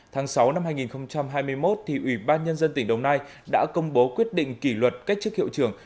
tháng sáu năm hai nghìn hai mươi một ủy ban nhân dân tỉnh đồng nai đã công bố quyết định kỷ luật cách chức hiệu trưởng